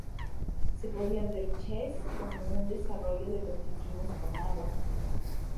Se podía ver "Chess" como un desarrollo de lo que hicimos con Abba".